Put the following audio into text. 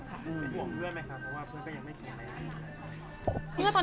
ห่วงเพื่อนไหมค่ะเพราะว่าเพื่อนก็ยังไม่แข็งแรง